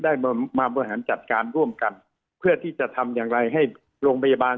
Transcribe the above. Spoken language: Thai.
ได้มามาบริหารจัดการร่วมกันเพื่อที่จะทำอย่างไรให้โรงพยาบาล